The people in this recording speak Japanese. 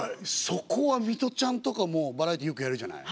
そこはミトちゃんとかもバラエティーよくやるじゃない？